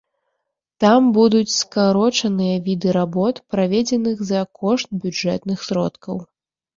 Там будуць скарочаныя віды работ, праведзеных за кошт бюджэтных сродкаў.